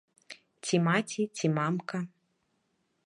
Ці маці, ці мамка.